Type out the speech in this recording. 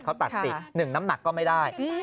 เขาตัดสิทธิ์๑น้ำหนักก็ไม่ได้